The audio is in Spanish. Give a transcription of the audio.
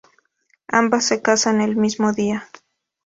Ambas se casan el mismo día.